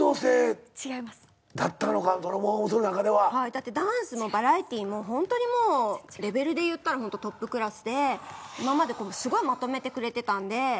だってダンスもバラエティーもレベルでいったらトップクラスで今まですごいまとめてくれてたんで。